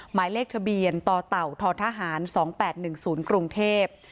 หมายเลขทะเบียนต่อเต่าทอทหารสองแปดหนึ่งศูนย์กรุงเทพ